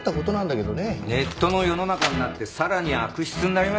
ネットの世の中になってさらに悪質になりましたよ。